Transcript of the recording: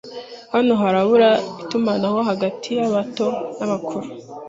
Hano harabura itumanaho hagati yabato n'abakuru